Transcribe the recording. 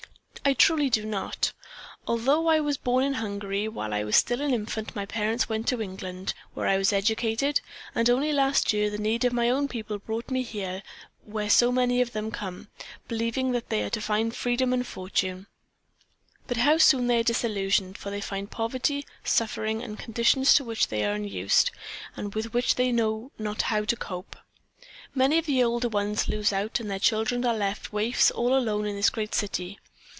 I truly do not. Although I was born in Hungary, while I was still an infant my parents went to England, where I was educated, and only last year the need of my own people brought me here where so many of them come, believing that they are to find freedom and fortune. But how soon they are disillusioned, for they find poverty, suffering and conditions to which they are unused and with which they know not how to cope. Many of the older ones lose out and their children are left waifs all alone in this great city.